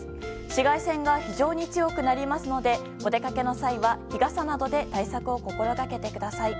紫外線が非常に強くなりますのでお出かけの際は、日傘などで対策を心がけてください。